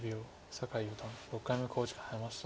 酒井四段６回目の考慮時間に入りました。